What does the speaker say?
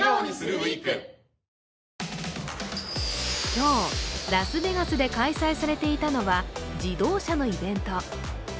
今日、ラスベガスで開催されていたのは自動車のイベント。